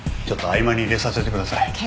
ちょっと合間に入れさせてください。